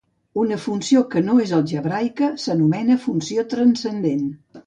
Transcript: Una funció que no és algebraica s'anomena funció transcendent.